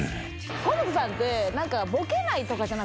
河本さんって。